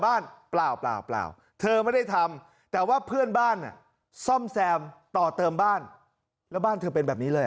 เปล่าเปล่าเธอไม่ได้ทำแต่ว่าเพื่อนบ้านซ่อมแซมต่อเติมบ้านแล้วบ้านเธอเป็นแบบนี้เลย